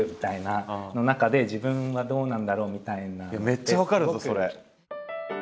めっちゃ分かるぞそれ。